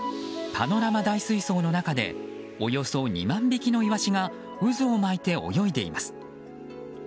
パノラマ大水槽の中でおよそ２万匹のイワシが渦を巻いて泳いでいます。